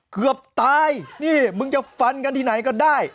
เกือบตายนี่มึงจะฟันกันที่ไหนก็ได้